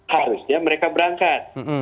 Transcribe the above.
harusnya mereka berangkat